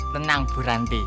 tenang bu ranti